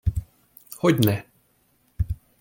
Hogyne!